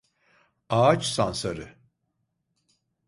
Ağaç sansarı.